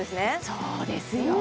そうですよ